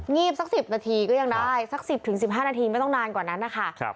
ีบสัก๑๐นาทีก็ยังได้สัก๑๐๑๕นาทีไม่ต้องนานกว่านั้นนะคะ